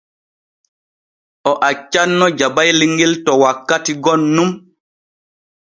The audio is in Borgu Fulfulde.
O accanno jabayel ŋel to wakkati gom nun.